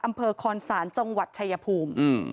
อำเภอคอนศาลจังหวัดชายภูมิ